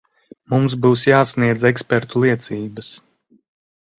Mums būs jāsniedz ekspertu liecības.